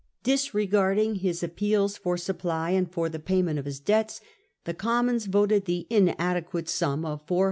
Disregard mons. i n g his appeals for supply and for the pay ment of his debts, the Commons voted the inadequate sum of 400,000